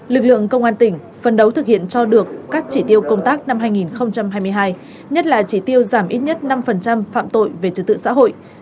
lực lượng công an tỉnh phân đấu thực hiện cho được các chỉ tiêu công tác năm hai nghìn hai mươi hai nhất là chỉ tiêu giảm ít nhất năm phạm tội về trật tự xã hội